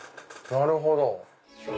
なるほど。